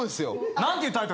何ていうタイトル？